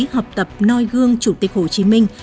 học tập nôi gương chủ tịch hồ chí minh